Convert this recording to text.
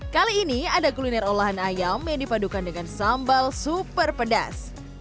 kali ini ada kuliner olahan ayam yang dipadukan dengan sambal super pedas